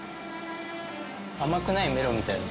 甘くないメロンみたいな。